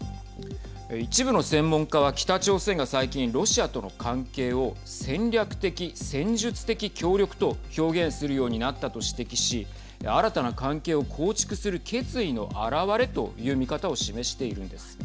一部の専門家は北朝鮮が最近ロシアとの関係を戦略的・戦術的協力と表現するようになったと指摘し新たな関係を構築する決意の表れという見方を示しているんです。